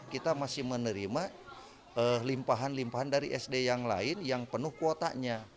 kita masih menerima limpahan limpahan dari sd yang lain yang penuh kuotanya